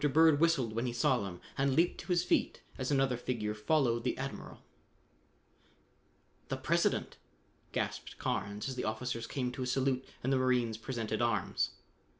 Bird whistled when he saw them and leaped to his feet as another figure followed the admiral. "The President!" gasped Carnes as the officers came to a salute and the marines presented arms.